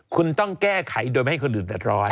คุณต้องแก้ไขโดยไม่ให้คนลืมแต่ร้อย